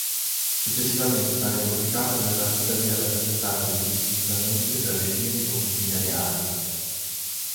Successivamente tale copricapo verrà tuttavia rappresentato indistintamente per regine e concubine reali.